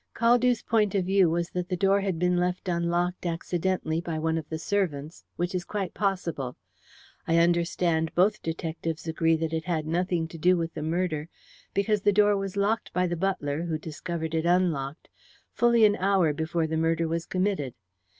Caldew's point of view was that the door had been left unlocked, accidentally, by one of the servants, which is quite possible. I understand both detectives agree that it had nothing to do with the murder, because the door was locked by the butler, who discovered it unlocked, fully an hour before the murder was committed.